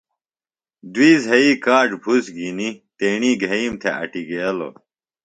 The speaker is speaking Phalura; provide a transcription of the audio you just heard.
دُئی زھئی کاڇ بُھس گِھینیۡ تیݨیۡ گھئیم تھےۡ اٹیۡ گیلوۡ۔